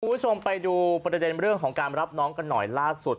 คุณผู้ชมไปดูประเด็นเรื่องของการรับน้องกันหน่อยล่าสุด